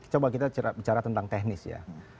coba kita bicara tentang teknis ya